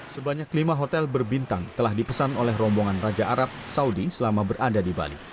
sebanyak lima hotel berbintang telah dipesan oleh rombongan raja arab saudi selama berada di bali